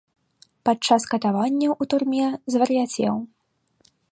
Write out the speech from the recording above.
Падчас катаванняў у турме звар'яцеў.